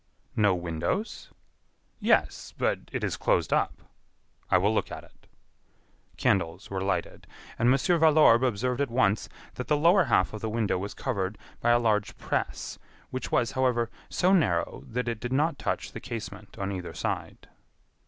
"No windows?" "Yes, but it is closed up." "I will look at it." Candles were lighted, and Mon. Valorbe observed at once that the lower half of the window was covered by a large press which was, however, so narrow that it did not touch the casement on either side.